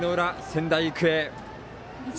仙台育英。